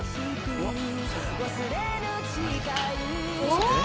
お！